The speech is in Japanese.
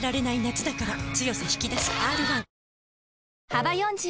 幅４０